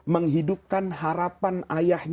menghidupkan harapan ayah